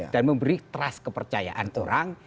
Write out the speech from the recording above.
dan memberi trust kepercayaan ke orang